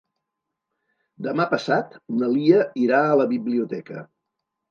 Demà passat na Lia irà a la biblioteca.